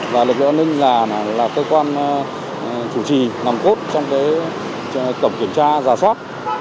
và lực lượng an ninh là cơ quan chủ trì nòng cốt trong tổng kiểm tra giả soát